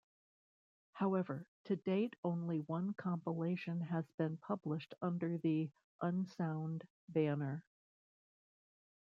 However, to date only one compilation has been published under the "Unsound" banner.